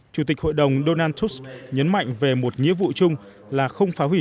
chủ tịch hội đồng donald trump nhấn mạnh về một nghĩa vụ chung là không phá hủy